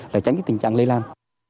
để tránh tình trạng lây lan